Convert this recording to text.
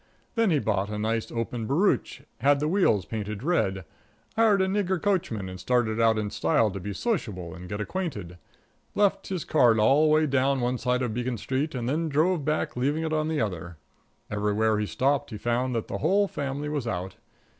Then he bought a nice, open barouche, had the wheels painted red, hired a nigger coachman and started out in style to be sociable and get acquainted. Left his card all the way down one side of Beacon Street, and then drove back leaving it on the other. Everywhere he stopped he found that the whole family was out.